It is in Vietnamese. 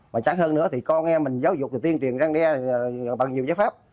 mà chẳng hơn nữa thì con em mình giáo dục thì tuyên truyền răng đe bằng nhiều giới pháp